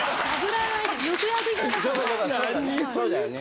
そうだよね。